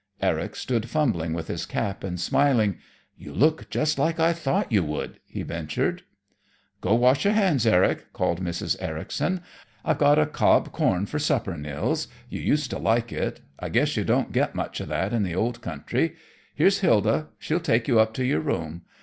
Eric stood fumbling with his cap and smiling. "You look just like I thought you would," he ventured. "Go wash your hands, Eric," called Mrs. Ericson. "I've got cob corn for supper, Nils. You used to like it. I guess you don't get much of that in the old country. Here's Hilda; she'll take you up to your room.